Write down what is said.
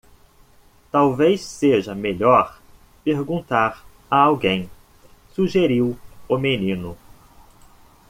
"Talvez seja melhor perguntar a alguém?" sugeriu o menino.